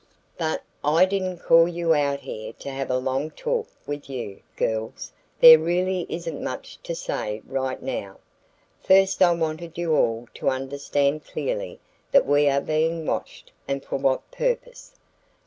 "But I didn't call you out here to have a long talk with you, girls. There really isn't much to say right now. First I wanted you all to understand clearly that we are being watched and for what purpose.